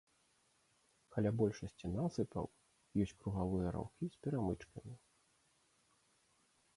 Каля большасці насыпаў ёсць кругавыя раўкі з перамычкамі.